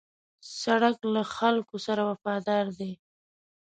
سړک له خلکو سره وفادار دی.